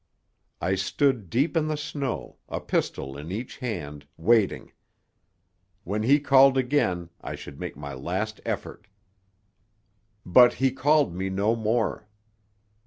I stood deep in the snow, a pistol in each hand, waiting. When he called again I should make my last effort. But he called me no more.